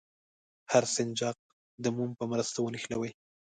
هر سنجاق د موم په مرسته ونښلوئ.